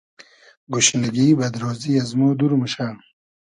گوشنیگی ، بئد رۉزی از مۉ دور موشۂ